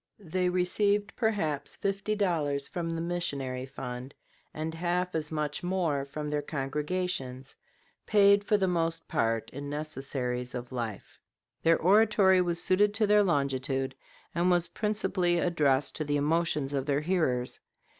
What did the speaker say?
They received perhaps fifty dollars from the missionary fund and half as much more from their congregations, paid for the most part in necessaries of life. Their oratory was suited to their longitude, and was principally addressed to the emotions of their hearers.